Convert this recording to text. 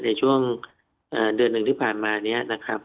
ในช่วงเดือนหนึ่งที่ผ่านมานี้นะครับ